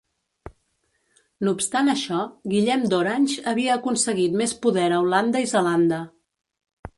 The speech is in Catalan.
No obstant això, Guillem d'Orange havia aconseguit més poder a Holanda i Zelanda.